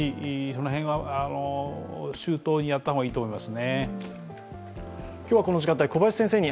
その辺を周到にやった方がいいと思います。